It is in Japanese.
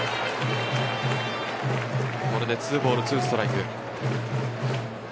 これでツーボールツーストライク。